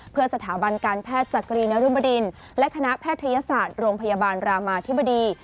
เพื่อสถาบันการแพทย์จักรีนรุบดินและคณะแพทยศาสตร์โรงพยาบาลรามาธิบดี